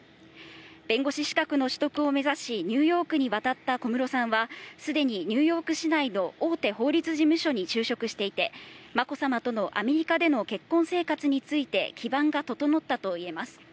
弁護士資格の取得を目指し、ニューヨークに渡った小室さんはすでにニューヨーク市内の大手法律事務所に就職していて、まこさまとのアメリカでの結婚生活について、基盤が整ったといえます。